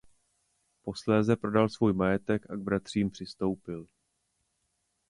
Posléze prodal svůj majetek a k bratřím přistoupil.